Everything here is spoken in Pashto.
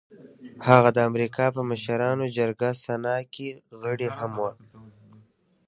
هغه د امريکا په مشرانو جرګه سنا کې غړی هم و.